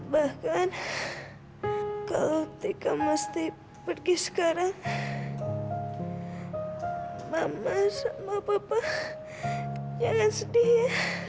bahkan ketika mesti pergi sekarang mama sama papa jangan sedih ya